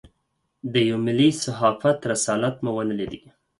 د یوه ملي صحافت رسالت مو ونه لېدای.